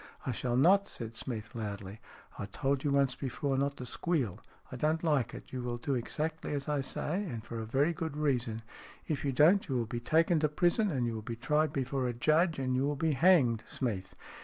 " I shall not," said Smeath, loudly. " I told you once before not to squeal. I don't like it. You will do exactly as I say, and for a very good reason. If you don't you will be taken to prison, and you will be tried before a judge, and you will be hanged, Smeath.